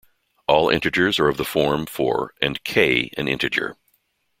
All integers are of the form for and "k" an integer.